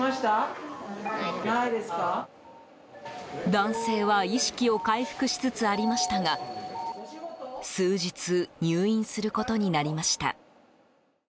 男性は意識を回復しつつありましたが数日入院することになりました。